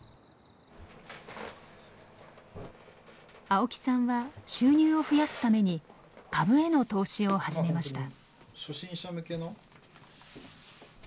青木さんは収入を増やすために株への投資を始めました。